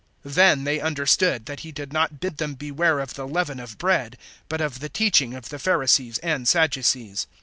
(12)Then they understood, that he did not bid them beware of the leaven of bread, but of the teaching of the Pharisees and Sadducees.